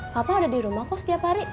papa ada di rumahku setiap hari